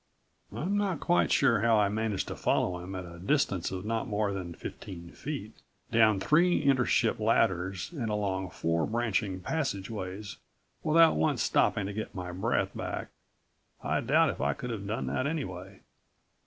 I'm not quite sure how I managed to follow him at a distance of not more than fifteen feet, down three intership ladders and along four branching passageways, without once stopping to get my breath back. I doubt if I could have done that anyway.